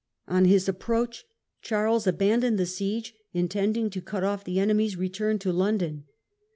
On his approach Charles abandoned the siege, intending to cut off the enemy's return to London.